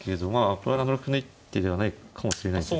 これは７六歩の一手ではないかもしれないです